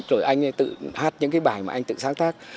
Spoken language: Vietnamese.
rồi anh ấy tự hát những cái bài mà anh tự sáng tác